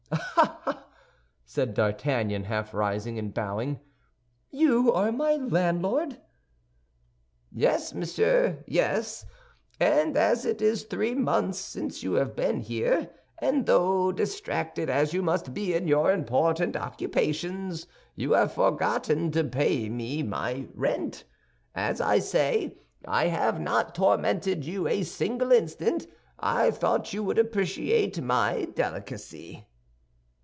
"Ah, ah!" said D'Artagnan, half rising and bowing; "you are my landlord?" "Yes, monsieur, yes. And as it is three months since you have been here, and though, distracted as you must be in your important occupations, you have forgotten to pay me my rent—as, I say, I have not tormented you a single instant, I thought you would appreciate my delicacy."